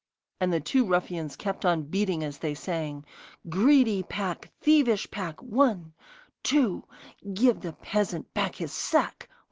And the two ruffians kept on beating as they sang: 'Greedy pack! Thievish pack! One two Give the peasant back his sack!